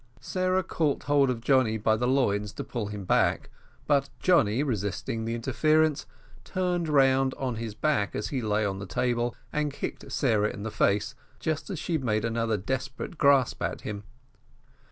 Sarah caught hold of Johnny by the loins to pull him back, but Johnny, resisting the interference, turned round on his back as he lay on the table, and kicked Sarah in the face, just as she made another desperate grasp at him.